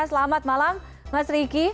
selamat malam mas riki